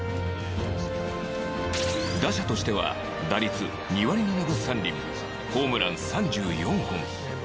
打者としては、打率２割７分３厘ホームラン３４本。